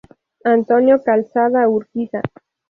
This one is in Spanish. Antonio Calzada Urquiza.